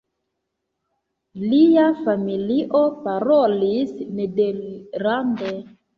Lia familio parolis nederlande.